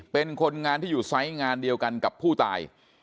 เป็นคนงานที่อยู่ไซส์งานเดียวกันกับผู้ตาย